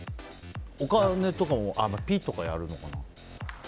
お金とかはピッとかやるのかな。